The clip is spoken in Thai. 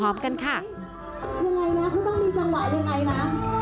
ยังไงนะเขาต้องมีจังหวะยังไงนะ